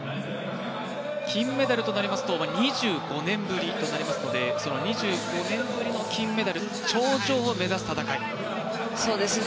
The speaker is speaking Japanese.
金メダルとなりますと２５年ぶりとなりますのでその２５年ぶりの金メダル頂上を目指す戦い。